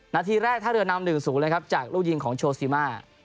นาทีแรกท่าเรือนำ๑๐เลยครับจากลูกยิงของโชซิมา